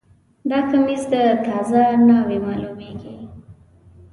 دا کمیس د تازه ناوې معلومیږي